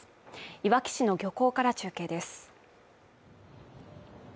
いわき市の漁港から中継です